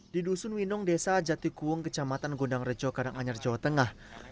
di dusun winong desa jatikuung kecamatan gondang rejo karanganyar jawa tengah